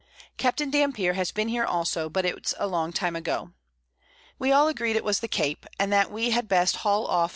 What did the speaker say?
Capt. Dampier has been here also, but it's a long Time ago. We all agreed it was the Cape, and that we had best hall off N.